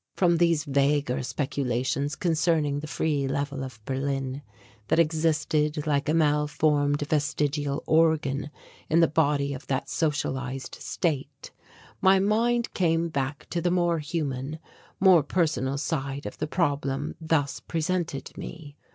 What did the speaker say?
From these vaguer speculations concerning the Free Level of Berlin that existed like a malformed vestigial organ in the body of that socialized state, my mind came back to the more human, more personal side of the problem thus presented me.